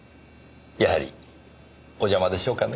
やはりお邪魔でしょうかね？